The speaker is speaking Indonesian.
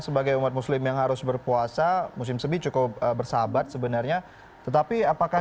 sebagai umat muslim yang harus berpuasa musim sebi cukup bersahabat sebenarnya tetapi apakah